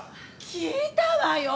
聞いたわよ！